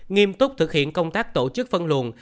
nghiêm túc thực hiện công tác tổ chức phân luồn